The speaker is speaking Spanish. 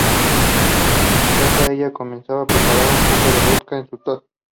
En su casa, ella comienza a preparar un poco de vodka en su taza.